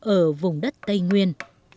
ở vùng đất tây nguyên